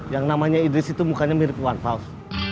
yang namanya idris itu mukanya mirip iwan fales